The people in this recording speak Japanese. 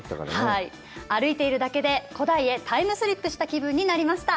歩いているだけで古代にタイムスリップした気分になりました。